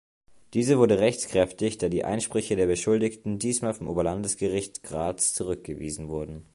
Diese wurde rechtskräftig, da die Einsprüche der Beschuldigten diesmal vom Oberlandesgericht Graz zurückgewiesen wurden.